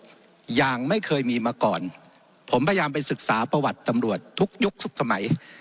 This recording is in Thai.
อย่างไม่เคยมีมาก่อนผมพยายามไปศึกษาประวัติตำรวจทุกยุคทุกสมัย